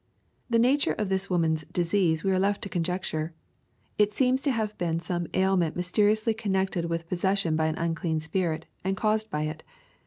'\ Tlie nature of this woman*i disease we are left to conjecture. It seems to haye been some ail« ment mysteriously connected with possession by an unclean spirit^ and caused by it.